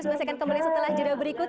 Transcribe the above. sampai jumpa kembali setelah juda berikut